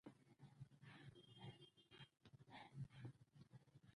احمد په ښو کارونو کې هېڅ سوچ نه کوي، سمدلاسه یې ترسره کوي.